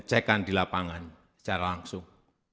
cekan di lapangan secara langsung